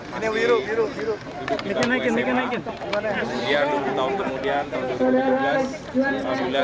saya kembali ke negara